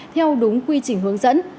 theo đúng quy trình hướng dẫn